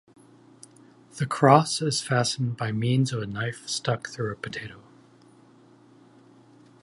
The cross is fastened by means of a knife stuck through a potato.